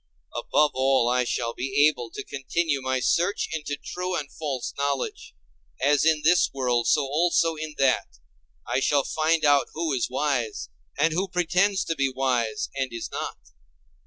Above all, I shall be able to continue my search into true and false knowledge; as in this world, so also in that; I shall find out who is wise, and who pretends to be wise, and is not.